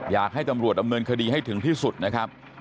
อยากให้ตำรวจดำเนินคดีให้ถึงที่สุดนะครับ